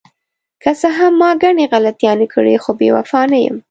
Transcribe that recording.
که څه هم ما ګڼې غلطیانې کړې، خو بې وفا نه یم.